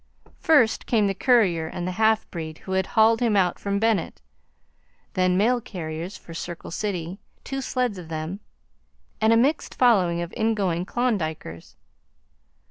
First came the courier and the half breed who had hauled him out from Bennett; then mail carriers for Circle City, two sleds of them, and a mixed following of ingoing Klondikers.